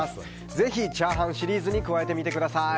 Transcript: ぜひチャーハンシリーズに加えてみてください。